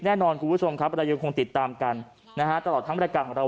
แน่นอนคุณผู้ชมครับแต่ตลอดทั้งรายการของเรา